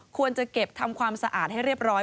ควรจะเก็บทำความสะอาดให้เรียบร้อย